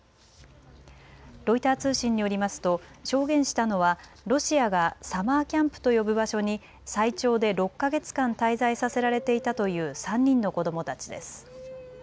ロイター通信によりますと証言したのはロシアがサマーキャンプと呼ぶ場所に最長で６か月間滞在させられていたという３人の子どもたちです。